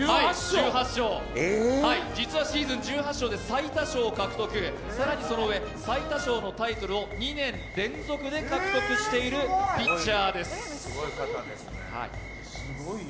実はシーズン１８勝で最多勝獲得、更にその上、最多勝のタイトルを２年連続で獲得しているピッチャーです。